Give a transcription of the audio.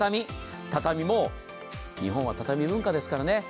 畳も、日本は畳文化ですから。